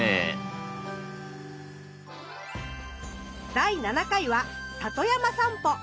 第７回は里山さんぽ。